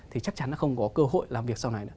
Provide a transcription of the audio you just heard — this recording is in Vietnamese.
thì chắc chắn nó không có cơ hội làm việc sau này nữa